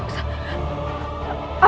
aku harus mencarinya yunda